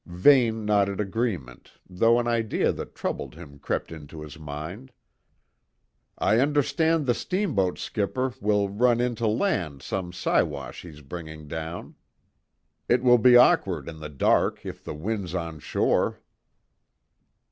Vane nodded agreement, though an idea that troubled him crept into his mind. "I understand the steamboat skipper will run in to land some Siwash he's bringing down. It will be awkward in the dark if the wind's onshore."